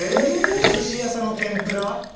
おすし屋さんの天ぷら？